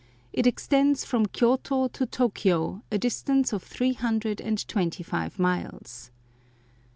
It extends from Kioto to Tokio, a distance of three hundred and twenty five miles.